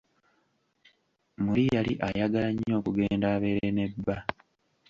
Muli yali ayagala nnyo okugenda abeere ne bba.